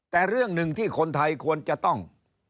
แต่เรื่องหนึ่งที่คนไทยควรจะต้อง